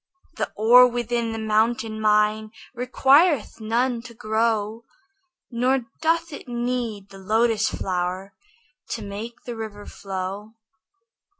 The ore within the mountain mine Requireth none to grow; Nor doth it need the lotus flower To make the river flow.